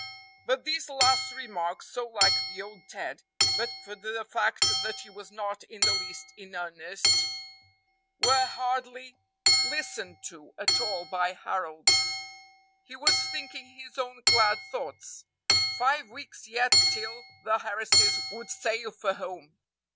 But these last remarks, so like the old Ted, but for the fact that he was not in the least in earnest, were hardly listened to at all by Harold. He was thinking his own glad thoughts. Five weeks yet till the Harrises would sail for home!